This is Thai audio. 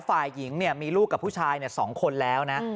ฝ่ายหญิงเนี่ยมีลูกกับผู้ชายเนี่ยสองคนแล้วนะ